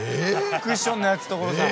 クッションのやつ所さん。